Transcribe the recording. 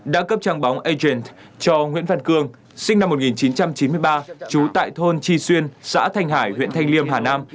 đã cấp trang bóng agent cho nguyễn văn cương sinh năm một nghìn chín trăm chín mươi ba trú tại thôn tri xuyên xã thanh hải huyện thanh liêm hà nam